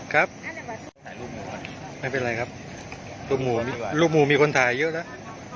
ครับไม่เป็นไรครับลูกหมู่ลูกหมู่มีคนถ่ายเยอะแล้ว